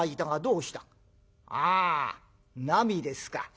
「ああなみですか。